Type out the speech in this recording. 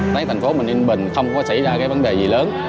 tại thành phố bình yên bình không có xảy ra cái vấn đề gì lớn